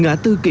nghã tư kỷ lý